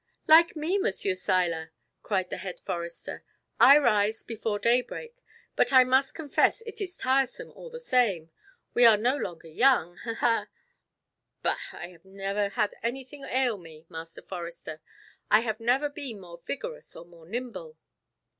"Like me, Monsieur Seiler," cried the Head Forester. I rise before daybreak; but I must confess it is tiresome all the same we are no longer young. Ha! Ha!" "Bah! I have never had anything ail me, Master Forester; I have never been more vigorous or more nimble."